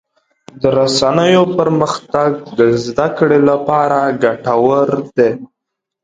د رسنیو پرمختګ د زدهکړې لپاره ګټور دی.